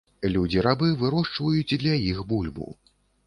Людзі-рабы вырошчваюць для іх бульбу.